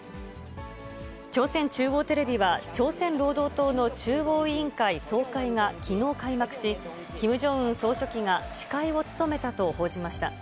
朝鮮中央テレビは、朝鮮労働党の中央委員会総会がきのう開幕し、キム・ジョンウン総書記が司会を務めたと報じました。